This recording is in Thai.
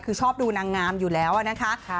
คือชอบดูนางงามอยู่แล้วนะคะ